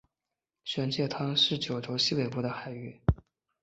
玄界滩是九州西北部的海域。